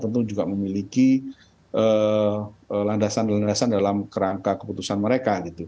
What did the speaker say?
tentu juga memiliki landasan landasan dalam kerangka keputusan mereka gitu